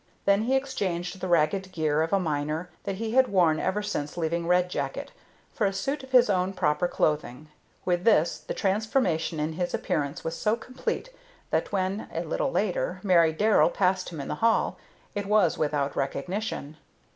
Then he exchanged the ragged garb of a miner, that he had worn ever since leaving Red Jacket, for a suit of his own proper clothing. With this the transformation in his appearance was so complete that when, a little later, Mary Darrell passed him in the hall, it was without recognition.